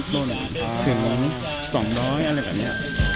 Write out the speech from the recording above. โดนถึง๒๐๐อะไรแบบนี้